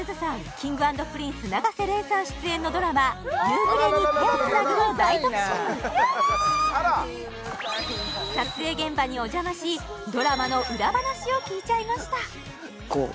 Ｋｉｎｇ＆Ｐｒｉｎｃｅ永瀬廉さん出演のドラマ撮影現場にお邪魔しドラマの裏話を聞いちゃいました